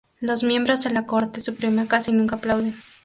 Los miembros de la Corte Suprema casi nunca aplauden.